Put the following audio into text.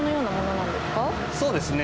そうですね。